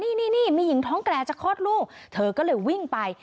นี่นี่มีหญิงท้องแก่จะคลอดลูกเธอก็เลยวิ่งไป